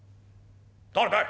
誰だい？